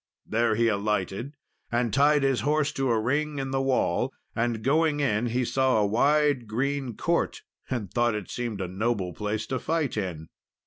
There he alighted, and tied his horse to a ring in the wall; and going in, he saw a wide green court, and thought it seemed a noble place to fight in.